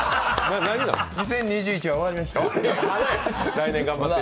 ２０２１は終わりました。